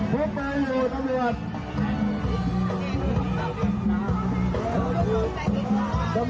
สังรวจมาดูหน่อยมันต้นเย็ยมันต้องปิดถนน